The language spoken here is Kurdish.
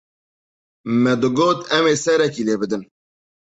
Me digot em ê serekî lê bidin.